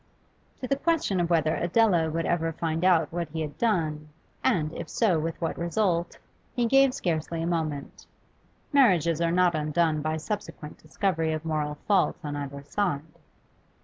To the question of whether Adela would ever find out what he had done, and, if so, with what result, he gave scarcely a moment. Marriages are not undone by subsequent discovery of moral faults on either side.